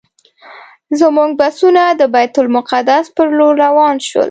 زموږ بسونه د بیت المقدس پر لور روان شول.